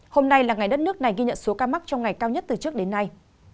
hôm nay là ngày đất nước này ghi nhận số ca mắc trong ngày cao nhất từ trước đến nay